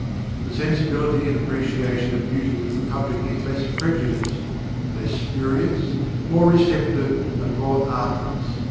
The sensibility and appreciation of beauty with the public is less prejudiced, less spurious, more receptive, and more artless.